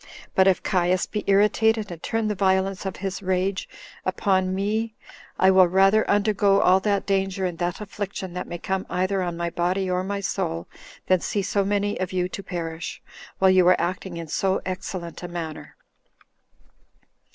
But if Caius be irritated, and turn the violence of his rage upon me, I will rather undergo all that danger and that affliction that may come either on my body or my soul, than see so many of you to perish, while you are acting in so excellent a manner.